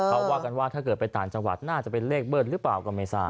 เขาว่ากันว่าถ้าเกิดไปต่างจังหวัดน่าจะเป็นเลขเบิ้ลหรือเปล่าก็ไม่ทราบ